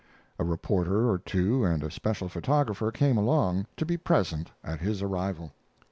A reporter or two and a special photographer came along, to be present at his arrival.